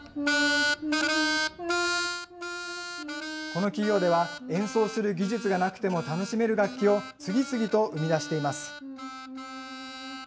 この企業では、演奏する技術がなくても楽しめる楽器を次々と生み出しています。